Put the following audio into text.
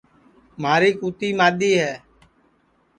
مھاری کُوتی مادؔی ہے